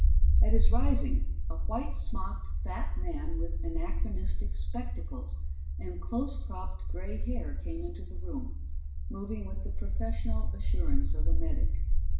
At his rising, a white smocked fat man with anachronistic spectacles and close cropped gray hair came into the room, moving with the professional assurance of a medic.